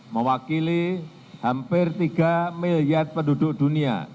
mewakili hampir tiga miliar penduduk dunia